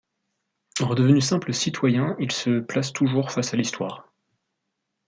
Redevenu simple citoyen, il se place toujours face à l'Histoire.